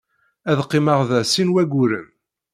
Ad qqimeɣ da sin wayyuren.